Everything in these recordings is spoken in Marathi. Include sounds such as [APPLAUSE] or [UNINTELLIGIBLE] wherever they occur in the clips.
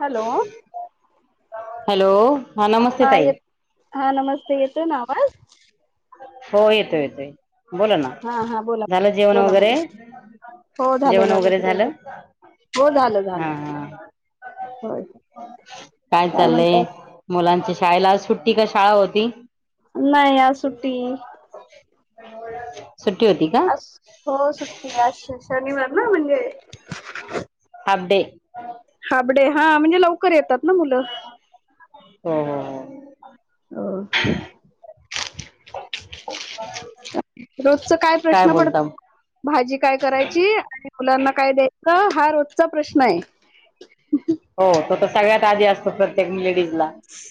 हॅलो! हॅलो! हा नमस्ते ताई हा नमस्ते येतोय ना आवाज. हो येतो येतोय बोला ना हा हा बोला झालं जेवण बोला वगैरे बोला हो झालं जेवण वगैरे सगळं झालं हो झालं हा झालं हा होय काय चाललंय मुलांचे शाळेला आज सुट्टी का शाळा होती नाही आज सुट्टी [UNINTELLIGIBLE] का अस हो सुट्टी आज शनिवार ना म्हणजे हाफ डे हाफ डे हा म्हणजे लवकर येतात ना मुलं हो हो हो हो रोजच काय प्रश्न बोलता हो पडतो भाजी काय करायची आणि मुलांना काय द्याय का हा रोजचा प्रश्न आहे हो तो तर सगळ्यात आधी असतो प्रत्येक लेडीज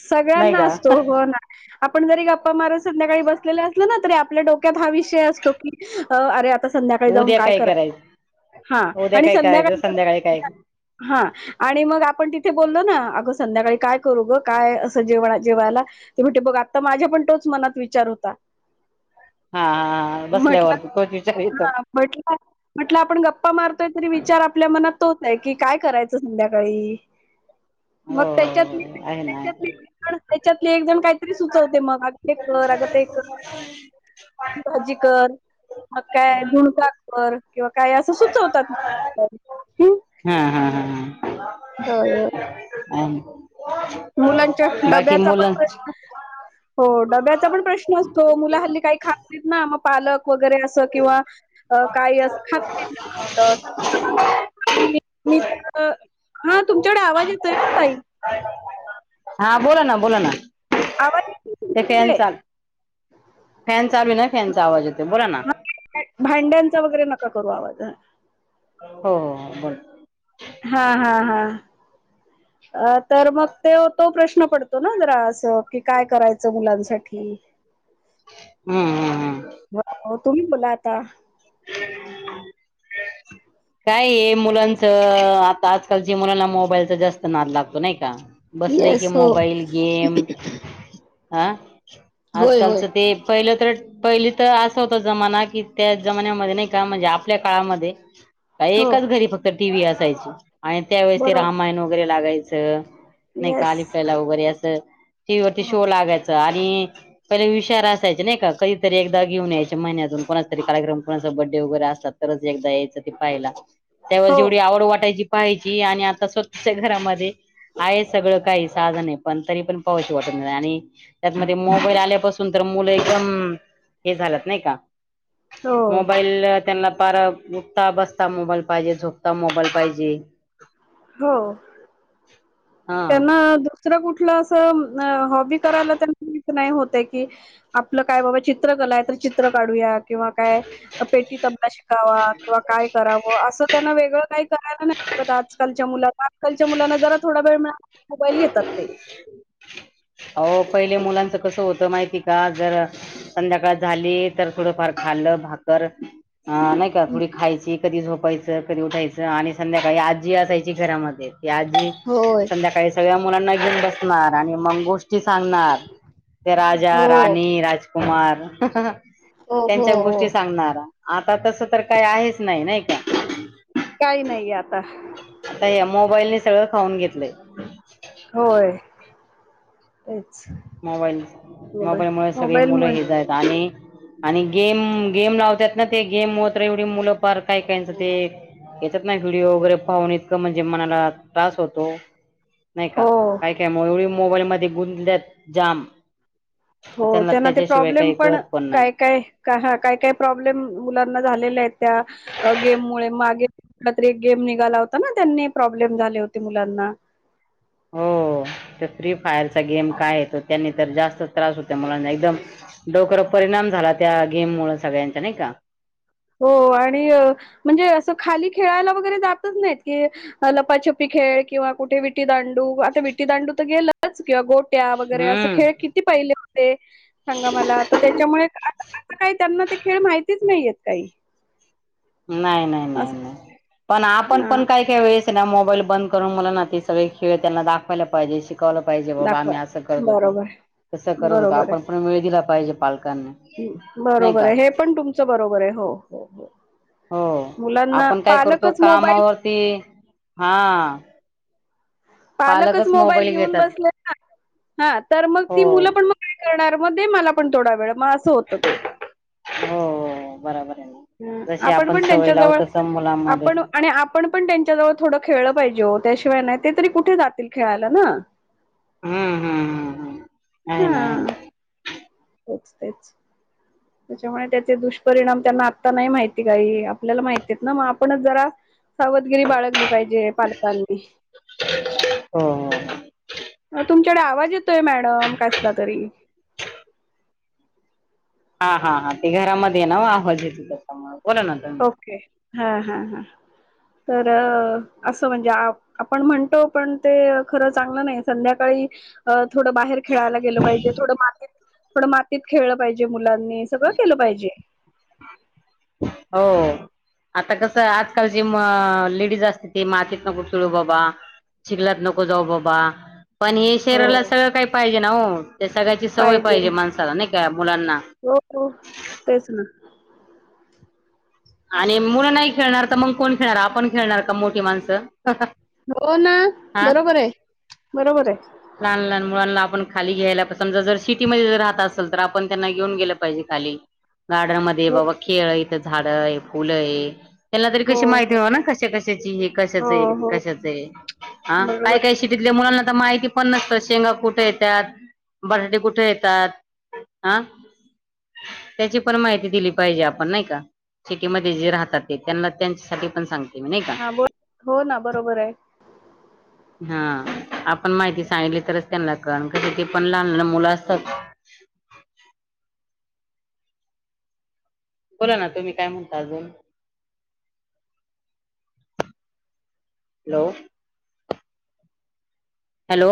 सगळ्यांना असतो हो ना आपण जरी गप्पा मारत संध्याकाळी बसलेले असल ना तरी आपल्या डोक्यात हा विषय असतो की अरे आता संध्याकाळी जाऊन काय करायचं हा उद्या आणि काय करायचं संध्याकाळी काय संध्याकाळ हा आणि मग आपण तिथे बोललो ना अगं संध्याकाळी काय करू गं काय असं जेव जेवायला ते भेटे बघ आता माझ्या पण तोच मनात विचार होता हा हा म्हटलं बसल्यावरर हा म्हट म्हटलं आपण गप्पा मारतोय तरी विचार आपल्या मनात तोच आहे की काय करायचं संध्याकाळी मग त्याच्यात हो आहे ना त्याच्यातलेण त्याच्यातले एक जण काहीतरी सुचवते मग ते कर अगं ते कर [INAUDIBLE] भाजी कर मग काय धुणकाक किंवा काय असं सुचवतात हम् हम होय होय. हम ह मुलांच्या डब्याचा पण प्रश्न हो डब्याचा पण प्रश्न असतो मुला हल्ली काही खाातत ना मग पालक वगैरे अस किंवा काही अस खात झाला आणि मी हा तुमच्याकडे आवाज येतोय ना ताई हा बोला ना बोला ना आज फॅनचाभी नाही फॅनचा आवाज येत बोला ना भांड्यांचा वगैरे करू आवाज हो हो बोल हा हा हा. [INAUDIBLE] अ तर मग ते तो प्रश्न पडतो ना जरा असं कि काय करायचं मुलांसाठी हम्म हम्म हम्म हो तुम्ही बोला आता [INAUDIBLE] काय मुलांच आता आजकालच्या मुलांना मोबाईलचा जास्त नाद लागतो नाही का बसले ककी येस हो मोबाईल गेम हा होय होय. आजकालच ते पहिलं तर पहिली तर असं होत जमाना कि त्या जमान्यामध्ये नाही का म्हणजे आपल्या काळामध्ये का हो एच घरी फक्त टी व्ही असायची आणि त्यावेेळेस ते बरोबर रामायण वगैरे लागायचं नाही का येस आलीफ लैला वगैरे असं टी वही वरती हो शो लागायच आणि पहिले विषार असायचे नाही का कधीतरी एकदा घेऊन यायचे महिन्यातून कोणारी कार्यक्रम कोणा बडे वगैरे असतात तर एक यायचं ते पाला त्याव जेवढी आवड वाटायची पाहिजे आणि आता स्वतःच्या घरामध्ये आहे सगळं काही साधन आहे पण तरी पण पाहायची वाटत नाही आणि त्यातमध्ये मोबाईल आल्यापासून तर मुलं एकदम हे झालंत नाही का हो मोबाईल त्यांना पार उठता बस मोबाईल पाहिजे. झोकता मोबाईल पाहिजे. हो हा त्यांना दो तर कुठल अस हॉीबी करायला नाहीत की आपलं काय बाबा चित्र नाय तर चित्र काढूया किंवा काय पेटी तबला शिकावा किंवा काय करावं अस त्यांना वेगळं काही करायला नाहीगत, आजकालच्या मुला आजकालच्या मुलांना जरा थोडा वेळ मिळा मोबाईल घेतात ते हो पहिले मुलांच कसं होत माहिती का? जर संध्याकाळात झाली तर थोडंफार खालं भाकर नाही का? थोडी खायची कधी झोपायचं, कधी उठायचं आणि संध्याकाळी आजी असायची घरामध्ये या आधी होय संध्याकाळी सगळ्या मुलांना घेऊन बसणार, आणि मंगोष्ट सांगणार ते राजा, हो राणी, राजकुमार हो हो त्यांच्या हो. गोष्टी सांगणार आता तस तर काय आहेच नाही, नाही का? काही नाहीये आता मोबाईल सगळं खाऊन घेतलंय होय मोबाईल मोबाईल मुल सगळे मुलं हे जा आहेत आणि आणि गेम, गेम लावतात ना ते गेम होत एवढी मुलं पार काय कायचं ते याच्यात ना व्हिडिओ वगैरे पाहून इतकं म्हणजे मनाला त्रास होतो. नाही का हो काय काय मग एवढी मोबाईल मध्ये गुंतल्यात जाम हो त्यांना ते त्याच्याशिवाय प्रॉब्लेम काही पण कळत नाही काय काय, काय काय प्रॉब्लेम मुलांना झालेले आहेत. त्या गेम मुळे मागे रात्री एक गेम निघाला होता ना, त्यांनी प्रॉब्लेम झाले होते मुलांना. हो फ्री फायरचा गेम काय तो त्यांनी तर जास्त त्रास होत मुलांना एकदम डोकर परिणाम झाला त्या गेम मु सगळ्यांचा नाही का? हो आणि म्हणजे असं खाली खेळायला वगैरे जातच नाहीत की लपाछपी खेळ किंवा कुठे विटी दांडू आता विटी दांडू तर गेलच किंवा गो त्या् वगैरे असं हम्म खेळ किती पहिले होते सांगा मला तर त्याच्यामुळे का असं काही त्यांना ते खेळ माहितीच नाहीयेत. काही नाही नाही नाही असं नाही पण आपण हा पण काय काय वेळेत त्यांना मोबाईल बंद करून मुलांना सगळे खेळ त्यांना दाखवायला पाहिजे. कवल पाहिजे बाबा दाखवा आम्ही अस करत होतो. बरोबर तस करत होतो. बरोबर आपण पण वेळ दिला पाहिजे पालका बरोबर आहे हे पण तुमचं बरोबर आहे हो हो हो हो मुलांना आपण काय करतो. पालकच मोबाईल कामावरती हा पालकच मोबाईल घेऊन बसले ना हा तर मग हो ती मुलं पण मग काय करणार मग दे मला पण थोडा वेळ मग असं होतं ते हो बरोबर आहे. ह जशी आपण पण सवय लावू त्यांच्याजवळ तसं मुलांमध्ये आपण आणि आपण पण त्यांच्याजवळ थोडं खेळलं पाहिजे. हो त्याशिवाय नाही ते तरी कुठे जातील खेळायला ना हम्म हम्म हम्म हम्म आहे ना आहे ना पोचतेच त्याच्यामुळे त्याचे दुष्परिणाम त्यांना आत्ता नाही माहिती काही, आपल्याला माहिती आहेत ना, मग आपणच जरा सावधगिरी बाळगली पाहिजे पालकांनी हो हो. त तुमच्या कड आवाज येतोय मॅडम कसला तरी हा हा हा ते घरामध्ये आहे ना आवाज येतो त्याच्यामुळ ओके हा हा ह तर असं म्हणजे आपण म्हणतो पण ते खरं चांगलं नाही संध्याकाळी थोडं बाहेर खेळायला गेलं पाहिजे थोड मातीत थोड मातीत खेळलं पाहिजे मुलानी सगळं केलं पाहिजे. हो आता कस आजकालची म.. जास्त ते मातीत नको चळू बाबा शििकलात नको जाऊ बाबा. पण हे हो शरीराला सगळं काही पाहिजे ना हो. ते सगळ्याची सवय पाहिजे माणसाला नाही का मुलांना. हो हो तेच ना आणि मुलं नाही खेळणार तर मग कोण खेळणार आपण खेळणार का मोठी माणसं. हो ना हा बरोबर आहे बरोबर आहे. लहान लहान मुलांना आपण खाली घ्यायला समजा जर सिटीमध्ये जर राहता असेल तर आपण त्यांना घेऊन गेलं पाहिजे खाली. गार्डन मध्ये हो बाबा खेळ इथ झाड आहे फुलं आहे. त्याना तरी हो कशी हो माहिती मिळ ना कश कशाची हो कशाच हो कशाचं आहे ह बरोबर काय काय आहे. सिटीतल्या मुलाना माहिती प पण नसत शेंगा कुठे येतात बटाटे कुठे येतात हं त्याची पण माहिती दिली पाहिजे आपण नाही का. सिटीमध्ये जे राहतात ते त्यांना त्यांच्यासाठी पण सांगतात. का हा बोल हो ना बरोबर आहे. हा आपण माहिती सांगली तरच त्यांना कण क ते पण लहान मुलं असतात म. बोला ना तुम्ही काय म्हणता अजून. हॅलो. हॅलो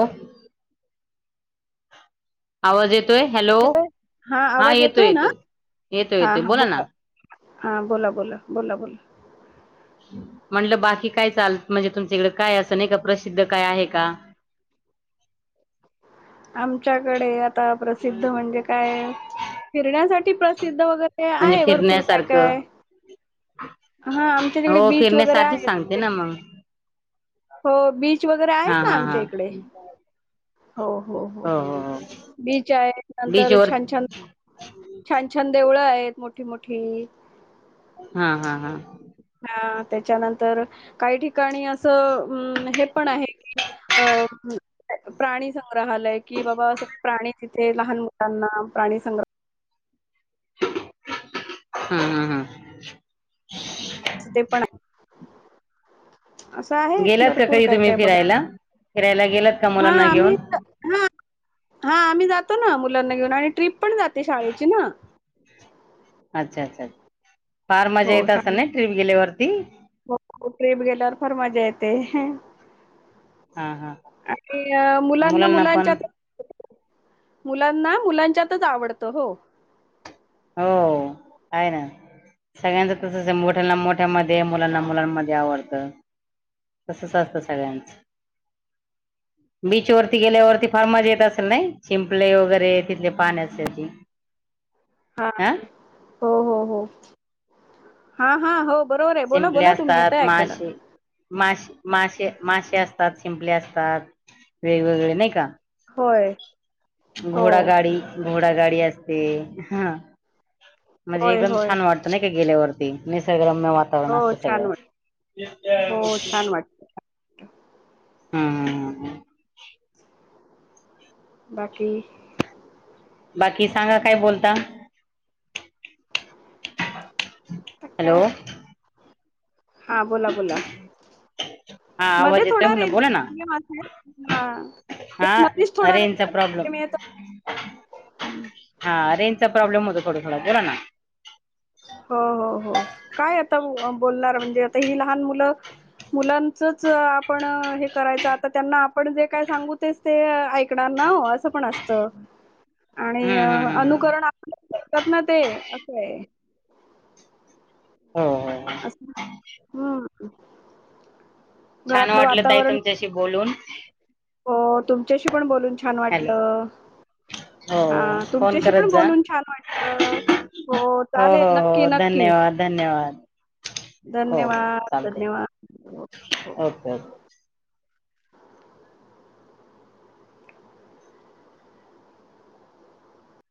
आवाज येत येतोय हॅलो हा येतोय येतो येतो येतोय बोला ना. हा बोला बोला बोला बोला. म्हंटलं बाकी काय चाल म्हणजे तुमच्या इकडे काय असं नाही का प्रसिद्ध काय आहे का. आमच्याकडे आता प्रसिद्ध म्हणजे काय? फिरण्यासाठी प्रसिद्ध वगैरे म्हणजे आहे भरपूर काय काय. फिरण्यासारखं हां, आमच्या तिकडे हो बीच वगैरे फिरण्यासाठीच आहेत सांगते आमच्या ना इकडे. मग. हो बीच वगैरे हा आहेत ना हा हा आमच्या इकडे. हो हो हो बीच आहे बीच नंतर वर छान छान छान छान देवळं आहेत मोठी मोठी. हा हा हा. त्याच्यानंतर काही ठिकाणी असं अ हे पण आहे की अ प्राणी संंग्रहालय कि बाबा सगळे प्राणी तिथे लहान मुलांना प्राणीसंग्र हा हा हा. अस ते पण आहे असं आहे गेलात का भरपूर कधी काय तुम्ही काय फिरायला बघायला. फिरायला गेलात का हा मुलांना आम्ही घेऊन हा हा आम्ही जातो ना मुलांना घेऊन आणि ट्रिप पण जाते शाळेची ना. अच्छा अच्छा. फार हो मजा येत असेल ना ट्रिप शाळेत गेल्यावरती हो ट्र्रीप गेल्यावर फार मजा येत. ते हा हा आणि मुलांना मुलांच्या मुलांना मुलांच्यातच आवडतं हो. हो आहे ना. सगळ्यांचं तस मोठ्यांना मोठ्यामध्ये मुलांना मुलांमध्ये आवडतं. तसंच असत सगळ्यांचं. बीच वरती गेल्यावरती फार मजा येत असेल नाही शिंपले वगैरे तिथले पाणी असल्याची. [UNINTELLIGIBLE] हा हो हो हो हा हा हो. बरोबर आहे बोला शिंपले बोला तुम्ही असतात यता ऐकायला. मासे मासे मासे मासे असतात शिंपले असतात वेगवेगळे नाही का. होय हो घोडा गाडी घोडागाडी असते ह. म्हणजे होय एकदम होय छान वाटतं नाही का गेल्यावरती निसर्गम वातवरण हो असते छान सगळ. वाट हो छान वाटतं. हम्म. बाकी? बाकी सांगा काय बोलता. हॅलो. हा बोला बोला हा मध्ये आवाज येतोय थोडा म्हणलं बोला ना रेंजर ला माझ हा रेंजचा प्रॉब्लेम होता. हम्म. हा रेंजचा प्रॉब्लेम होत ो खळा बला ना [UNINTELLIGIBLE] हो, हो, हो. काय आता बोलणार म्हणजे आता ही लहान मुलं मुलांच आपण हे करायच आता त्यांना आपण जे काय सांगू तेस ते ऐकणार ना हो असं पण असत आणि हम्म हम्म हम्म हम्म अनुकरण आपल्या देतात ना ते असं आहे हो हो हो अस ह छान वाटलं त आहे तुमच्याशी बोलून हो तुमच्याशी पण बोलून छान हॅलो वाटलं हो हा फोन तुमच्याशी करत पण जा बोलून छान वाटलं हो हो चालेल नक्की हो नक्की धन्यवाद धन्यवाद हो हो धन्यवाद चालतंय धन्यवाद ओके ओके